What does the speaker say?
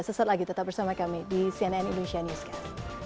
sesaat lagi tetap bersama kami di cnn indonesia newscast